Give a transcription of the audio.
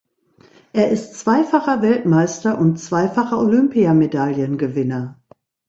Er ist zweifacher Weltmeister und zweifacher Olympiamedaillengewinner.